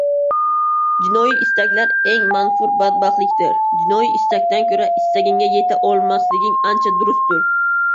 Jinoiy istaklar eng manfur badbaxtlikdir. Jinoiy istakdan ko‘ra istaganingga yeta olmasliging ancha durustdir.